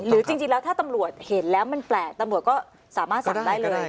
หรือจริงแล้วถ้าตำรวจเห็นแล้วมันแปลกตำรวจก็สามารถสั่งได้เลย